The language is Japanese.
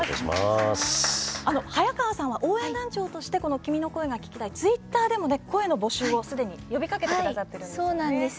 早川さんは、応援団長としてこの「君の声が聴きたい」のツイッターでも声の募集をすでに呼びかけてくださってるんですよね。